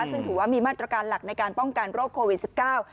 ซึ่งถือว่ามีมาตรการหลักในการป้องกันโรคโควิดสิบเก้า